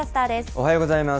おはようございます。